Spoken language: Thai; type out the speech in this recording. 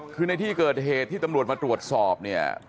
คือในที่เกิดเหตุที่ตำรวจมาตรวจสอบเนี่ย